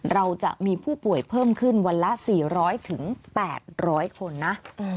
เราจะมีผู้ป่วยเพิ่มขึ้นวันละ๔๐๐๘๐๐คนนะ